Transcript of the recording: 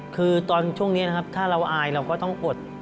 คือตอนช่วงนี้นะครับถ้าเราอายเราก็ต้องอด